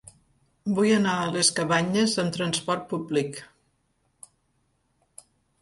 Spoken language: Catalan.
Vull anar a les Cabanyes amb trasport públic.